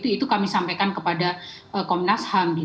itu kami sampaikan kepada komnas ham